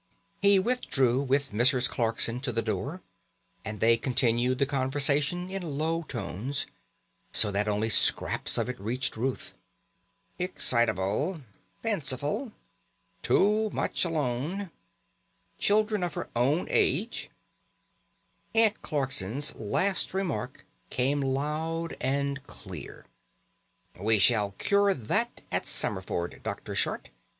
He withdrew with Mrs. Clarkson to the door, and they continued the conversation in low tones, so that only scraps of it reached Ruth: " excitable fanciful too much alone children of her own age " Aunt Clarkson's last remark came loud and clear: "We shall cure that at Summerford, Dr. Short.